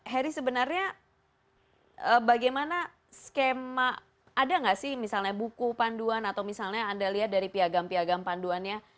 heri sebenarnya bagaimana skema ada nggak sih misalnya buku panduan atau misalnya anda lihat dari piagam piagam panduannya